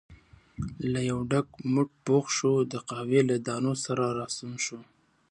له یو ډک موټ پخ شوو د قهوې له دانو سره راستون شو.